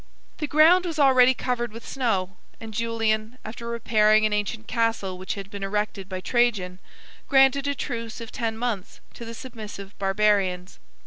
The ground was already covered with snow; and Julian, after repairing an ancient castle which had been erected by Trajan, granted a truce of ten months to the submissive Barbarians.